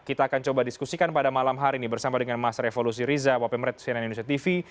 kita akan coba diskusikan pada malam hari ini bersama dengan mas revolusi riza wp mered cnn indonesia tv